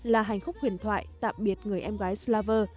là hành khúc huyền thoại tạm biệt người em gái slaver